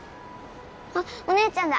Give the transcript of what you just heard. あっお姉ちゃんだ。